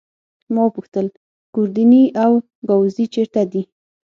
ما وپوښتل: ګوردیني او ګاووزي چيري دي؟